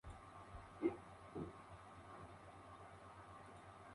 Fue justamente durante la Fase Tollan cuando la ciudad tuvo su mayor apogeo.